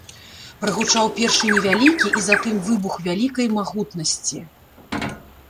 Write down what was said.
Прагучаў першы невялікі, і затым выбух вялікай магутнасці.